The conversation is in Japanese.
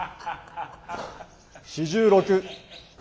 ４６。